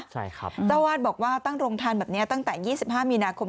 เจ้าวาดบอกว่าตั้งโรงทานแบบนี้ตั้งแต่๒๕มีนาคม